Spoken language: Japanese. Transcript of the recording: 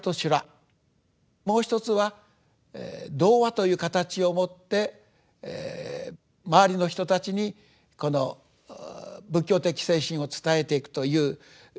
もうひとつは童話という形をもって周りの人たちにこの仏教的精神を伝えていくというそういうような生き方。